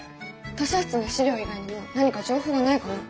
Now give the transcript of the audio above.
図書室の史料以外にも何か情報はないかな？